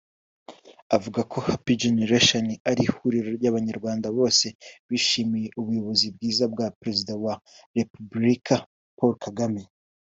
Avuga ko Happy Generation ari ihuriro ry’abanyarwanda bose bishimiye ubuyobozi bwiza bwa Perezida wa Repubulika Paul Kagame